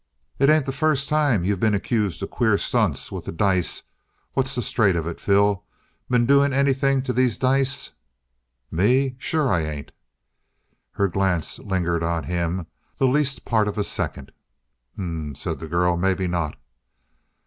"It ain't the first time you been accused of queer stunts with the dice. What's the straight of it, Phil? Been doing anything to these dice?" "Me? Sure I ain't!" Her glance lingered on him the least part of a second. "H'm!" said the girl. "Maybe not."